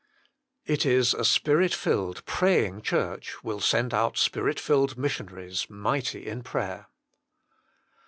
It is a Spirit filled, praying Church will send out Spirit filled missionaries, mighty in prayer.